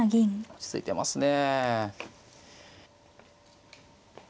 落ち着いてますね。